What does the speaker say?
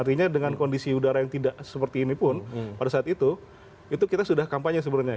artinya dengan kondisi udara yang tidak seperti ini pun pada saat itu itu kita sudah kampanye sebenarnya